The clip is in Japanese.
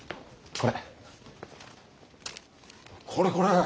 これこれ！